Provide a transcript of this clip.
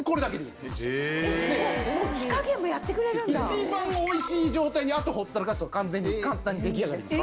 一番美味しい状態にあとはほったらかすと完全に簡単に出来上がります。